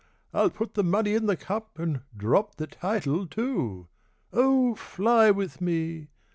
I'll put the money in the cup And drop the title, too. Oh, fly with me!